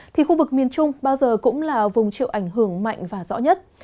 thì khu vực miền trung bao giờ cũng là vùng chịu ảnh hưởng mạnh và rõ nhất